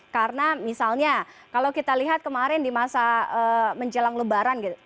karena misalnya kalau kita lihat kemarin di masa menjelang lebaran gitu